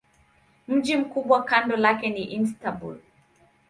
Mji mkubwa kando lake ni Istanbul.